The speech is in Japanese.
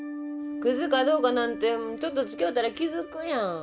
クズかどうかなんてちょっとつきおうたら気付くやん。